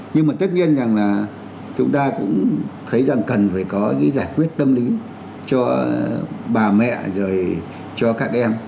nhưng mà tất nhiên rằng là chúng ta cũng thấy rằng cần phải có những giải quyết tâm lý cho bà mẹ rồi cho các em